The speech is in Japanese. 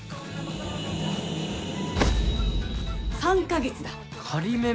３か月だ。